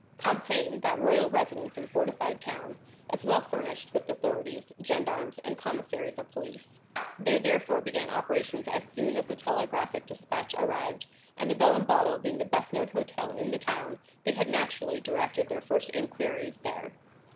Compiègne, that royal residence and fortified town, is well furnished with authorities, gendarmes, and commissaries of police; they therefore began operations as soon as the telegraphic despatch arrived, and the Bell and Bottle being the best known hotel in the town, they had naturally directed their first inquiries there.